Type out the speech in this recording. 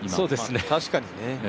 確かにね。